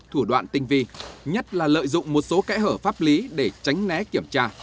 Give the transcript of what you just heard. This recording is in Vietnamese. thủ đoạn tinh vi nhất là lợi dụng một số kẽ hở pháp lý để tránh né kiểm tra